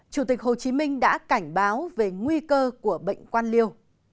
chủ tịch hồ chí minh đã cảnh báo về nguy cơ của bệnh quan liêu